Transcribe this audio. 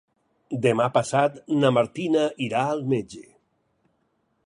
Demà passat na Martina irà al metge.